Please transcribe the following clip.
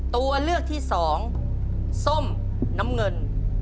ตัวเลือกที่สองส้มน้ำเงิน